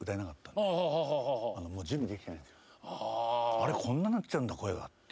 あれこんななっちゃうんだ声がって。